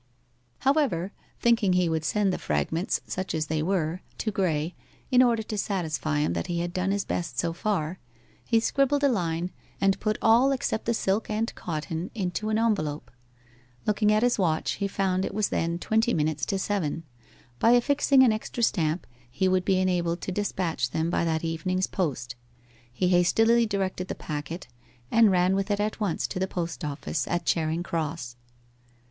However, thinking he would send the fragments, such as they were, to Graye, in order to satisfy him that he had done his best so far, he scribbled a line, and put all except the silk and cotton into an envelope. Looking at his watch, he found it was then twenty minutes to seven; by affixing an extra stamp he would be enabled to despatch them by that evening's post. He hastily directed the packet, and ran with it at once to the post office at Charing Cross.